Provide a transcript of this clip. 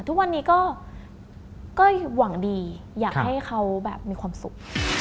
ทุกวันนี้ก็หวังดีอยากให้เขาแบบมีความสุข